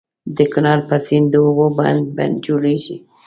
د کنړ په سيند د اوبو بند جوړيږي.